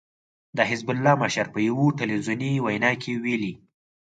د حزب الله مشر په يوه ټلويزیوني وينا کې ويلي